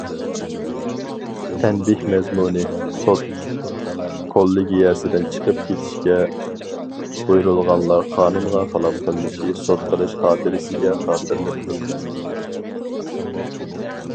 تەنبىھ مەزمۇنى، سوت كوللېگىيەسىدىن چىقىپ كېتىشكە بۇيرۇلغانلار قانۇنغا خىلاپ قىلمىشى سوت قىلىش خاتىرىسىگە خاتىرىلىنىدۇ.